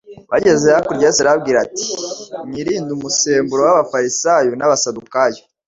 Bageze hakurya Yesu arababwira ati : "Mwirinde umusemburo w'abafarisayo n'abasadukayo."